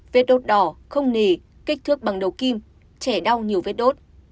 vết đột đỏ không nề kích thước bằng đầu kim trẻ đau nhiều vết đốt